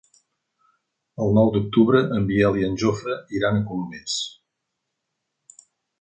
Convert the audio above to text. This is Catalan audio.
El nou d'octubre en Biel i en Jofre iran a Colomers.